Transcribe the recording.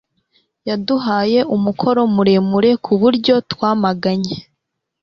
Yaduhaye umukoro muremure ku buryo twamaganye